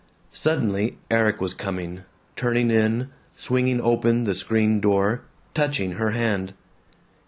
Suddenly Erik was coming, turning in, swinging open the screen door, touching her hand.